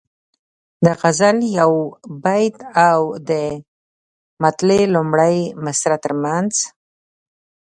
د غزل یو بیت او د مطلع لومړۍ مصرع ترمنځ.